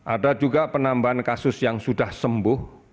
ada juga penambahan kasus yang sudah sembuh